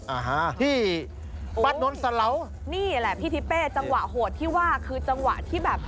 อ่าฮะที่ป้านนท์สะเหลานี่แหละพี่ทิเป้จังหวะโหดที่ว่าคือจังหวะที่แบบ